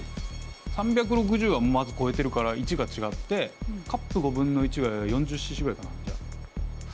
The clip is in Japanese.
３６０はまず超えてるから①が違ってカップ５分の１が４０ｃｃぐらいかなじゃあ。